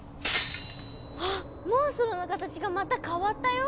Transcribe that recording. あっモンストロの形がまた変わったよ。